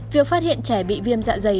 việc phát hiện trẻ bị viêm tạ dày